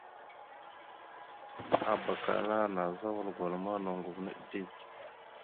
Abak ana nazza wal gwala ma noŋgov naɗ dik.